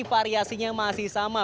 variasinya masih sama